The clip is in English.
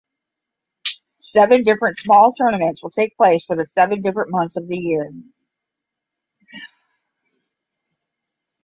Seven different small tournaments will take place for seven different months of the year.